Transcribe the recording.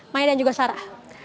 maeda dan juga sarah